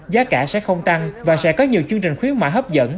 giá cả sẽ không tăng và sẽ có nhiều chương trình khuyến mại hấp dẫn